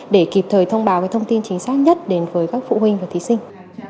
để kịp thời thông báo thông tin chính xác nhất đến với các phụ huynh và thí sinh